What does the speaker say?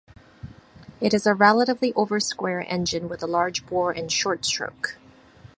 It is a relatively oversquare engine with a large bore and short stroke.